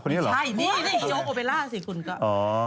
นี่โยโอเบลล่าสิคุณก็